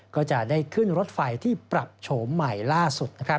ก็จะได้ขึ้นรถไฟที่ปรับโฉมใหม่ล่าสุด